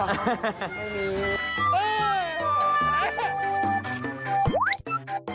ไม่มี